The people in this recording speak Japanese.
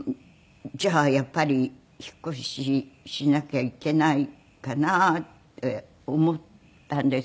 じゃあやっぱり引っ越ししなきゃいけないかなって思ったんですけれど。